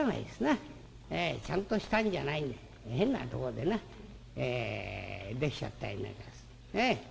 ちゃんとしたんじゃないんで変なとこでなできちゃったりなんかする。